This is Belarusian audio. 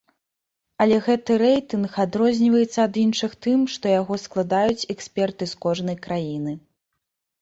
Але гэты рэйтынг адрозніваецца ад іншых тым, што яго складаюць эксперты з кожнай краіны.